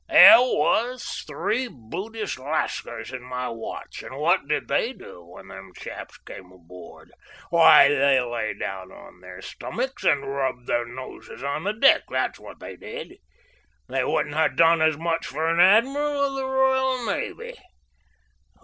"There was three Buddhist Lascars in my watch, and what did they do when them chaps come aboard? Why, they down on their stomachs and rubbed their noses on the deck that's what they did. They wouldn't ha' done as much for an admiral of the R'yal Navy.